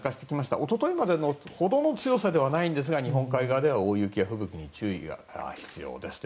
一昨日ほどの強さではないですが日本海側では大雪や吹雪に注意が必要ですね。